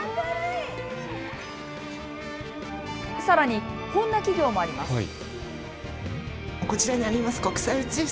さらにこんな企業もあります。